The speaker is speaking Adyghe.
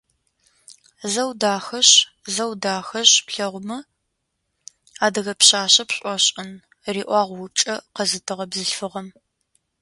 «Зэу дахэшъ, зэу дахэшъ, плъэгъумэ - адыгэ пшъашъэ пшӏошӏын», - риӏуагъ упчӏэ къэзытыгъэ бзылъфыгъэм.